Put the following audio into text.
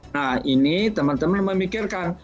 nah ini teman teman memikirkan